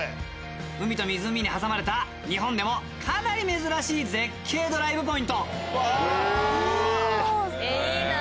海と湖に挟まれた日本でもかなり珍しい絶景ドライブポイント。